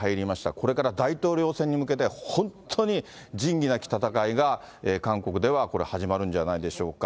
これから大統領選に向けて、本当に仁義なき戦いが、韓国では、始まるんじゃないでしょうか。